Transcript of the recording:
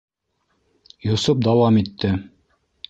Йосоп дауам итте.